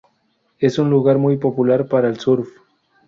Es un lugar muy popular para el surf.